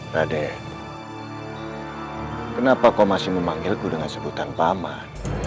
rade kenapa kau masih memanggilku dengan sebutan pak man